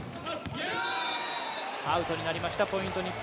アウトになりましたポイント